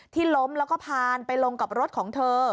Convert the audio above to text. ที่ล้มแล้วก็พานไปลงกับรถของเธอ